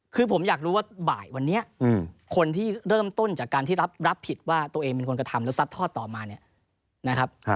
คือผมอยากรู้ว่าบ่ายวันนี้คนที่เริ่มต้นจากการที่รับผิดว่าตัวเองเป็นคนกระทำแล้วซัดทอดต่อมาเนี่ยนะครับ